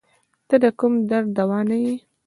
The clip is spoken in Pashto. ته د کوم درد دوا نه یی